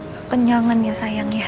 kekenyangan ya sayang ya